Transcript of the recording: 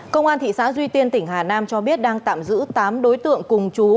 công an thị xã duy tiên tỉnh hà nam cho biết đang tạm giữ tám đối tượng cùng chú